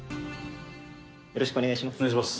よろしくお願いします。